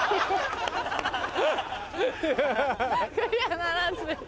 クリアならずです。